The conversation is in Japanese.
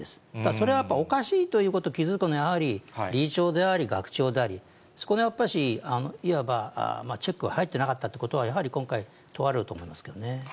それはやっぱりおかしいということを気付くのは、やはり理事長であり、学長であり、そこでやっぱりいわばチェックが入ってなかったということは、やはり今回、問われると思いますけどね。